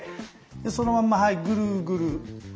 そのまんまはいぐるぐる。